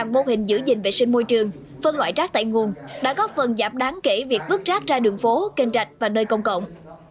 mô hình giữ gìn vệ sinh môi trường phân loại rác tại nguồn đã góp phần giảm đáng kể việc bước rác ra đường phố kênh rạch và nơi công cộng